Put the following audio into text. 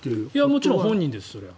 もちろん本人ですそれは。